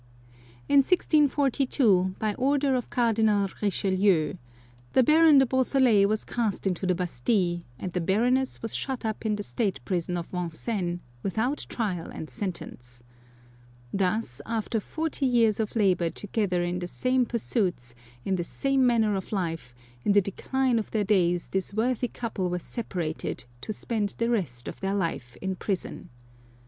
In 1642, by order of Cardinal Richelieu, the M 161 Curiosities of Olden Times Baron de Beausoleil was cast into the Bastille, and the Baroness was shut up in the state prison of Vincennes, without trial and sentence. Thus, after forty years of labour together in the same pursuits, in the same manner of life, in the decline of their days this worthy couple were separated, to spend the rest of their life in prison.